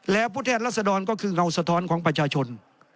แล้วผู้แทนรัศดรก็คือเงาสะท้อนของประชาชน